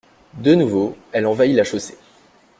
De nouveau elle envahit la chaussée.